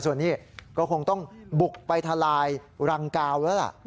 ส่วนนี้ก็คงต้องบุกไปทลายรังกาวแล้วล่ะ